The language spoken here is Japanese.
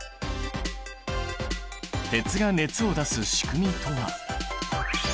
鉄が熱を出す仕組みとは。